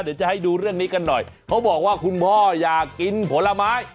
เดี๋ยวจะให้ดูเรื่องนี้กันหน่อยเขาบอกว่าคุณพ่ออยากกินผลไม้